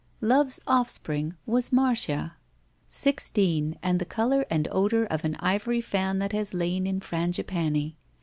Love's offspring was Marda. Sixteen and the color and odor of an ivory fan that has lain in frangipani.